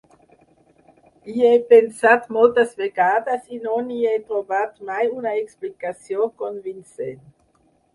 Hi he pensat moltes vegades i no hi he trobat mai una explicació convincent.